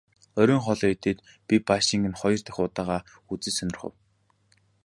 Оройн хоолоо идээд бид байшинг хоёр дахь удаагаа үзэж сонирхов.